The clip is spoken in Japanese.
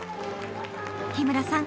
日村さん